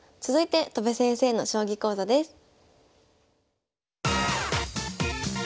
続いて戸辺先生の将棋講座です。